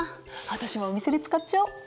私もお店で使っちゃおう！